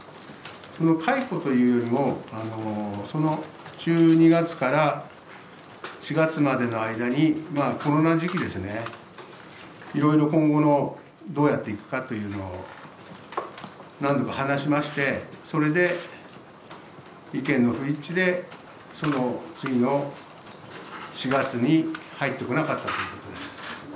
その解雇というよりも、１２月から４月までの間に、コロナ時期ですね、いろいろ今後の、どうやっていくかというのを何度か話しまして、それで、意見の不一致で、その次の４月に入ってこなかったということです。